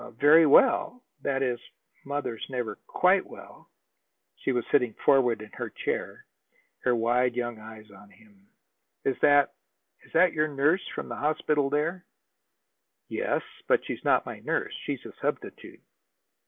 "Very well that is, mother's never quite well." She was sitting forward on her chair, her wide young eyes on him. "Is that is your nurse from the hospital here?" "Yes. But she's not my nurse. She's a substitute."